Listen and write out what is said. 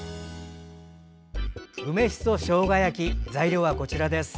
梅しそしょうが焼き材料はこちらです。